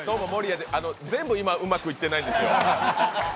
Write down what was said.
全部うまくいってないですよ。